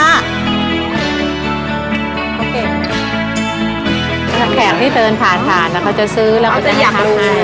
แล้วแขกพี่เติ้ลผ่านแล้วเขาจะซื้อแล้วเขาจะอยากรู้